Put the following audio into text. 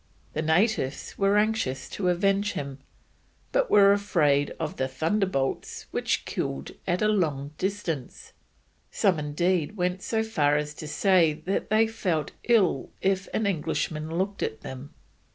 The natives were anxious to avenge him, but were afraid of the "thunderbolts which killed at a long distance," some indeed went so far as to say they felt ill if an Englishman looked at them.